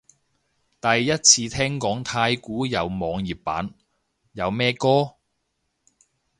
第一次聽講太鼓有網頁版，有咩歌？